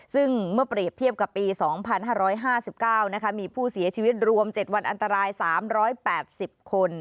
ซึ่งเมื่อเปรียบเทียบกับปี๒๕๕๙มีผู้เสียชีวิตรวม๗วันอันตราย๓๘๐คน